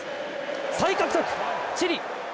再獲得、チリ！